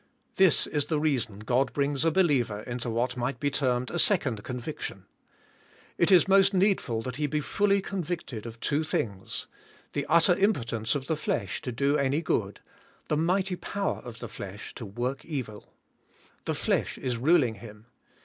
This is the reason God bring s a believer into what might be termed a second conviction. It is most needful that he be fully convicted of two things: the utter impotence of the flesh to do any g'ood; the mighty power of the flesh to work evil. The flesh is ruling' him.